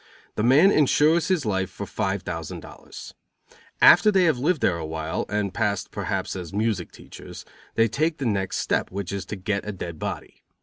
The man insures his life for five thousand dollars. After they have lived there a while, and passed perhaps as music teachers, they take the next step, which is to get a dead body.